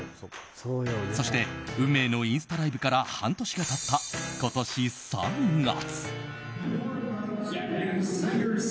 そして運命のインスタライブから半年が経った、今年３月。